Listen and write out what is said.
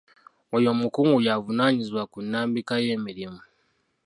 Oyo omukungu y'avunaanyizibwa ku nnambika y'emirimu.